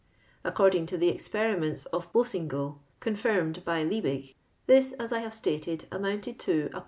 Accordinj? to the ex periments of Boussingault, confirmed by Liebig. this, as I have stated, amounted to \ lb.